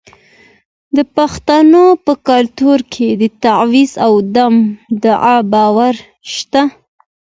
د پښتنو په کلتور کې د تعویذ او دم دعا باور شته.